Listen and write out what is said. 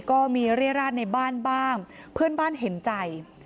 ก็มีเรียราชในบ้านบ้างเพื่อนบ้านเห็นใจ